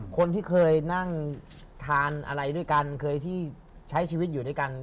คนที่เคยนั่งทานอะไรด้วยกันเคยที่ใช้ชีวิตอยู่ด้วยกัน